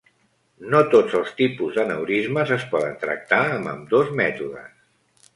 No tots els tipus d'aneurismes es poden tractar amb ambdós mètodes.